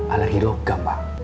alergi logam pak